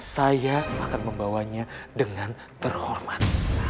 saya akan membawanya dengan terhormat